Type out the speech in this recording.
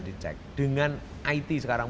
dicek dengan it sekarang